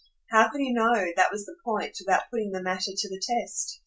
How could he know that was the point without putting the matter to the test?